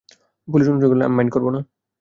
Police অনুসরণ করলে আমি মাইন্ড করব না।